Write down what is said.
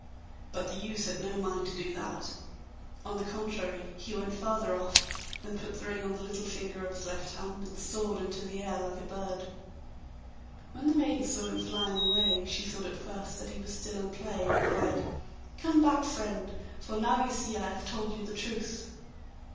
But the youth had no mind to do that; on the contrary, he went farther off, then put the ring on the little finger of his left hand, and soared into the air like a bird. When the maiden saw him flying away she thought at first that he was still in play, and cried, 'Come back, friend, for now you see I have told you the truth.